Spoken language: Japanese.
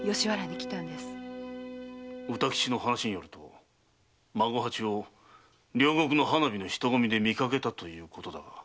歌吉の話では孫八を両国の花火の人混みで見かけたということだが。